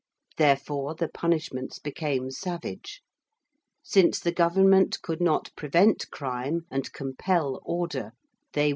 Therefore the punishments became savage. Since the government could not prevent crime and compel order, they would deter.